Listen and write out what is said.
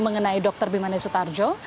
mengenai dr bimanes sutarjo